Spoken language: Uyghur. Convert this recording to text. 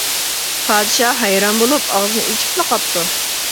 پادىشاھ ھەيران بولۇپ ئاغزىنى ئېچىپلا قاپتۇ.